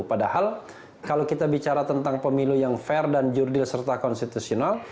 padahal kalau kita bicara tentang pemilu yang fair dan jurdil serta konstitusional